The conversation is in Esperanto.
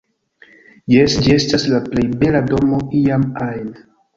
Jes, ĝi estas la plej bela domo iam ajn